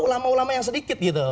ulama ulama yang sedikit gitu